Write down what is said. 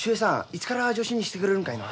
いつから助手にしてくれるんかいな。